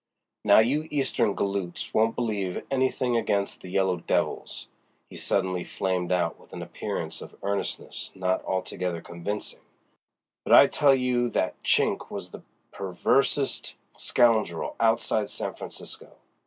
"Now you Eastern galoots won't believe anything against the yellow devils," he suddenly flamed out with an appearance of earnestness not altogether convincing, "but I tell you that Chink was the perversest scoundrel outside San Francisco.